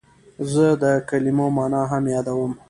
زه د کلمو مانا هم یادوم.